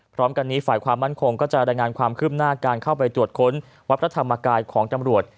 พร้อมกันนี้ฝ่ายความมั่นคงก็จะรายงานความคืบหน้าการเข้าไปตรวจค้นวัดพระธรรมกายของตำรวจ